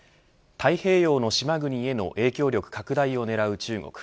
太平洋の島国への影響力拡大を狙う中国。